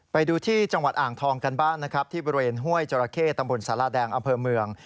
ไปดูที่จังหวัดอ่างทองกันบ้างนะครับที่บริเวณห้วยจราเข้ตำบลสาราแดงอำเภอเมือง